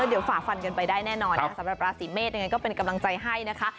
เดี๋ยวฝ่าฟันกันไปได้แน่นอนนะสำหรับราศีเมษยังไงก็เป็นกำลังใจให้นะคะ